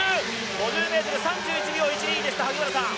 ５０ｍは３１秒１２でした。